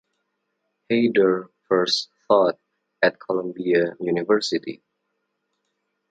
Haider first taught at Columbia University.